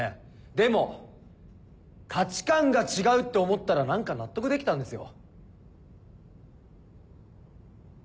でも価値観が違うって思ったら何か納得できたんですよ。